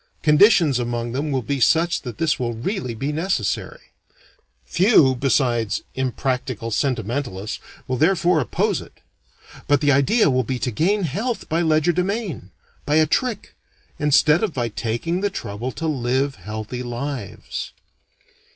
Conditions among them will be such that this will really be necessary. Few besides impractical sentimentalists will therefore oppose it. But the idea will be to gain health by legerdemain, by a trick, instead of by taking the trouble to live healthy lives.